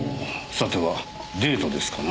さてはデートですかな？